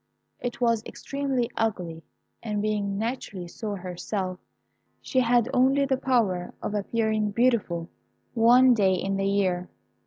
It was extremely ugly, and being naturally so herself, she had only the power of appearing beautiful one day in the year.